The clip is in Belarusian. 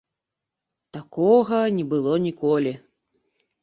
Такога не было ніколі.